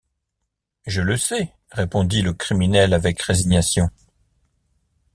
Je le sais, répondit le criminel avec résignation.